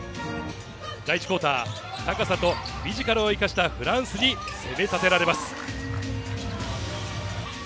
第１クオーター、高さとフィジカルを生かしたフランスに攻め立てられます。